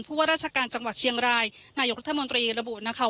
พวกว่าราชการจังหวัดเชียงรายนายกบริมนตรีระบวุทรนะครับ